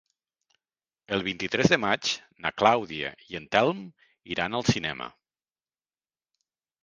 El vint-i-tres de maig na Clàudia i en Telm iran al cinema.